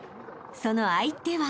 ［その相手は］